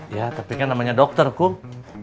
ya tapi kan namanya dokter kuh